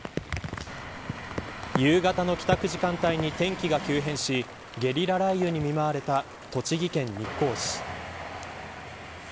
夕方の帰宅時間帯に天気が急変しゲリラ雷雨に見舞われた栃木県日光市。